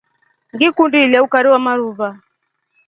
Ngikundi ilya ukari wa maruva.